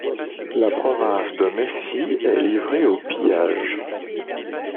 La province de Mésie est livrée aux pillages.